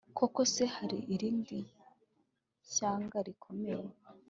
Koko se, hari irindi shyanga rikomeye